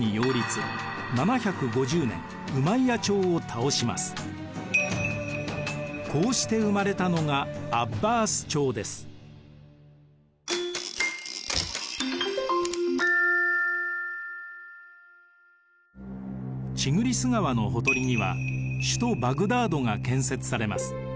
彼らはこうして生まれたのがチグリス川のほとりには首都バグダードが建設されます。